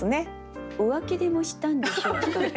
浮気でもしたんでしょうか？